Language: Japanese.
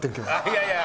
いやいや。